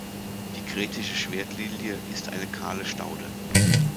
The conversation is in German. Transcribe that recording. Die Kretische Schwertlilie ist eine kahle Staude.